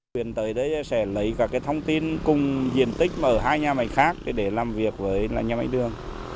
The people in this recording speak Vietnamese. quyền tới đây sẽ lấy cả cái thông tin cùng diện tích ở hai nhà máy khác để làm việc với nhà máy đường